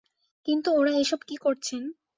কিন্তু ওঁরা এ-সব কী করছেন?